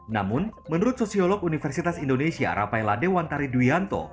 namun menurut sosiolog universitas indonesia rapai ladewantari duyanto